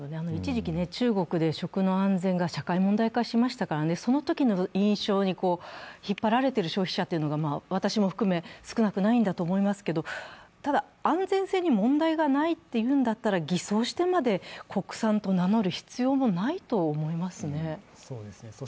一時期、中国で食の安全が社会問題化しましたから、そのときの印象に引っ張られている消費者が私も含め、少なくないんだと思いますけれども、ただ安全性に問題がないというんだったら偽装してまで国産と名乗る必要もないと思いますね。